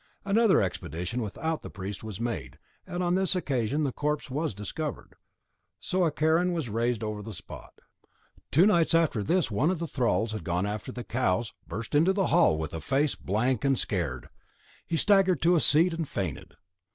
Another expedition without the priest was made, and on this occasion the corpse was discovered; so a cairn was raised over the spot. Two nights after this one of the thralls who had gone after the cows burst into the hall with a face blank and scared; he staggered to a seat and fainted.